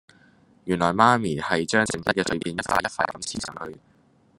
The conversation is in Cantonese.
原來媽咪係將剩低嘅碎片一塊一塊咁黐上去